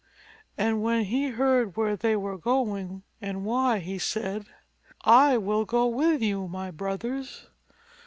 And when he heard where they were going and why, he said, "I will go with you, my brothers."